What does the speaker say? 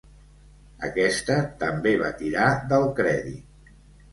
Aquesta també va tirar del crèdit.